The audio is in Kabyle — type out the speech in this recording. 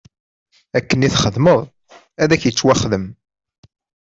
Akken i txedmeḍ ad ak-ittwaxdem.